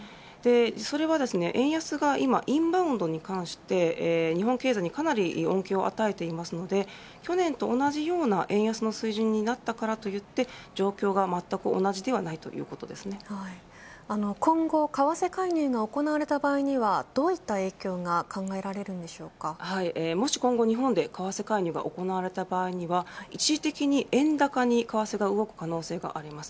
それは円安が今、インバウンドに関して日本経済にかなり恩恵をあたえているので去年と同じような円安の水準になったからといって状況はまったく同じでは今後、為替介入が行われた場合にはどういった影響がもし今後、日本で為替介入が行われた場合には一時的に円高に為替が動く可能性があります。